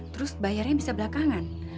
terus bayarnya bisa belakangan